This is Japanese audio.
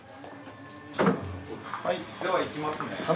はいでは行きますね。